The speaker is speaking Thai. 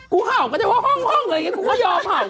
กูห่อก็ได้ว่าห้องเฉน้อย